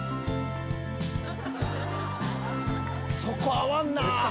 そこ合わんなぁ！